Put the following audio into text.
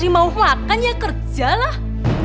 asri mau makan ya kerjalah